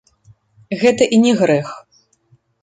Гэта і не грэх.